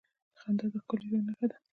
• خندا د ښکلي ژوند نښه ده.